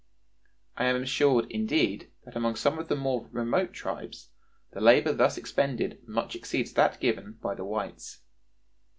I am assured, indeed, that among some of the more remote tribes, the labor thus expended much exceeds that given by the whites.